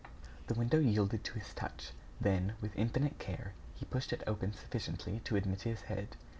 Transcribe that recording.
The window yielded to his touch. Then, with infinite care, he pushed it open sufficiently to admit his head.